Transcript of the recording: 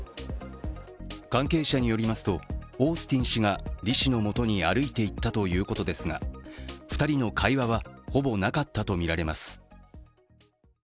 関係者によりますとオースティン氏が李氏のもとに歩いていったということですが２人の会話は、ほぼなかったとみられます。